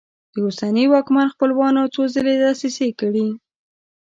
د اوسني واکمن خپلوانو څو ځله دسیسې کړي.